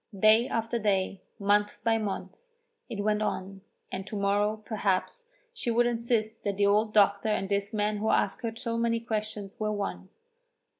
Day after day, month by month, it went on, and to morrow, perhaps, she would insist that the old doctor and this man who asked her so many questions were one.